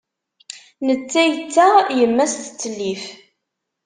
Netta yettaɣ, yemma-s tettellif.